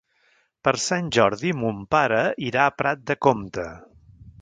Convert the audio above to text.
Per Sant Jordi mon pare irà a Prat de Comte.